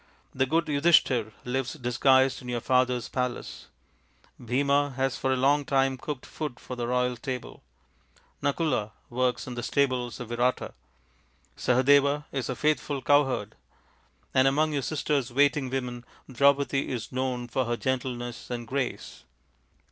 The good Yudhishthir lives disguised in your father's palace ; Bhima has for a long time cooked food for the royal table; Nakula works in the stables of Virata ; Sahadeva is a faithful cowherd ; and among your sister's waiting women Draupadi is known for her gentleness and grace."